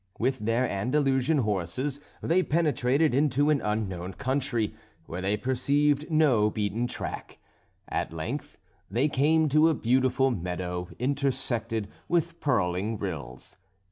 With their Andalusian horses they penetrated into an unknown country, where they perceived no beaten track. At length they came to a beautiful meadow intersected with purling rills.